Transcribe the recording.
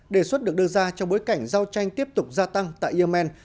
đề xuất được đưa ra trong bối cảnh giao tranh tiếp tục gia tăng tại yemen